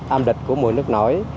âm địch của mùa nước nổi